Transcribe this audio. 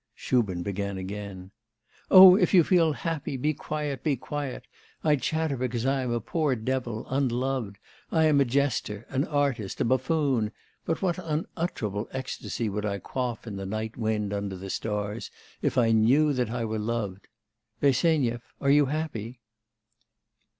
Shubin began again: 'Oh, if you feel happy, be quiet, be quiet! I chatter because I am a poor devil, unloved, I am a jester, an artist, a buffoon; but what unutterable ecstasy would I quaff in the night wind under the stars, if I knew that I were loved!... Bersenyev, are you happy?